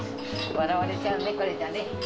笑われちゃうね、これじゃ。